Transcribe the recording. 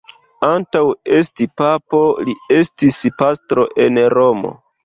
Antaŭ esti papo, li estis pastro en Romo.